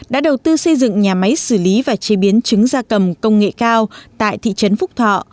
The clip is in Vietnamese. đã đầu tư xây dựng nhà máy xử lý và chế biến trứng da cầm công nghệ cao tại thị trấn phúc thọ